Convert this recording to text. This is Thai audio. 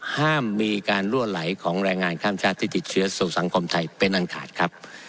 ห้ามมีการรั่วไหลของแรงงานข้ามชาติที่ติดเชื้อสู่สังคมไทยเป็นอันขาดครับ